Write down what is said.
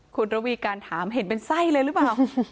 คุณระวีการถามเห็นเป็นไส้เลยหรือเปล่า